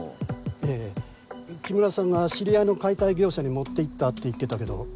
ええ木村さんが知り合いの解体業者に持って行ったって言ってたけど。